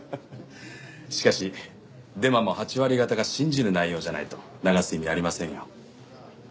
しかしデマも８割方が信じる内容じゃないと流す意味ありませんよ。